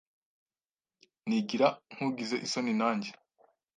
nigira nk’ugize isoni nanjye.